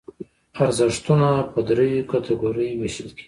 ارزښتونه په دریو کټګوریو ویشل کېږي.